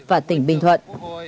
và tỉnh bình thuận